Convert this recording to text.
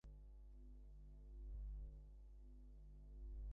আমরা video footage দেখে প্রকৃত অপরাধীদের শনাক্ত করে গ্রেপ্তারের চেষ্টা করছি।